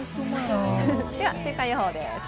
では週間予報です。